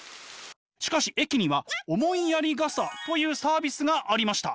しかし駅には思いやり傘というサービスがありました！